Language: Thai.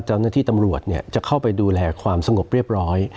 เจ้าหน้าที่ตำรวจจะเข้าไปดูแลความสงบเรียบร้อย